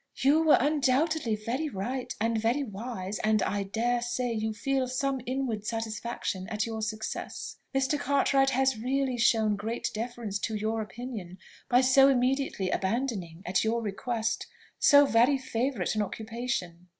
"You were undoubtedly very right and very wise, and I dare say you feel some inward satisfaction at your success. Mr. Cartwright has really shown great deference to your opinion by so immediately abandoning, at your request, so very favourite an occupation."